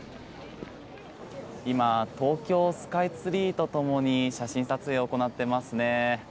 今東京スカイツリーとともに写真撮影を行っていますね。